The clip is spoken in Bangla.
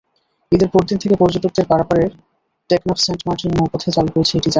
ঈদের পরদিন থেকে পর্যটকদের পারাপারে টেকনাফ-সেন্ট মার্টিন নৌপথে চালু হয়েছে একটি জাহাজ।